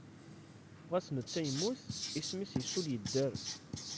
Ɣas netta yemmut, isem-is isul yedder.